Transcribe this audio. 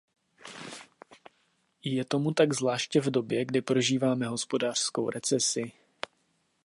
Je tomu tak zvláště v době, kdy prožíváme hospodářskou recesi.